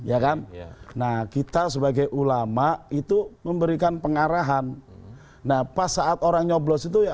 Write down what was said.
ya kan nah kita sebagai ulama itu memberikan pengarahan nah pas saat orang nyoblos itu ya